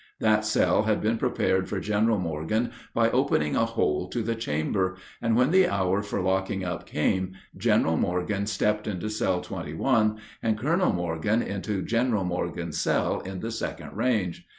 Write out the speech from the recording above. That cell had been prepared for General Morgan by opening a hole to the chamber, and when the hour for locking up came, General Morgan stepped into Cell 21, and Colonel Morgan into General Morgan's cell in the second range.